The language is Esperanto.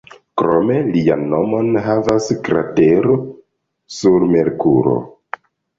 Krome, lian nomon havas kratero sur Merkuro.